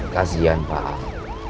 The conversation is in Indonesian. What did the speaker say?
kasian pak al